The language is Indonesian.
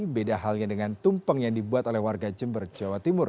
beda halnya dengan tumpeng yang dibuat oleh warga jember jawa timur